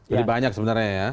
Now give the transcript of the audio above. jadi banyak sebenarnya ya